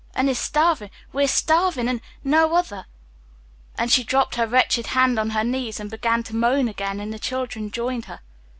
An' it's starvin' we are starvin' an' no other," and she dropped her wretched head on her knees and began to moan again, and the children joined her.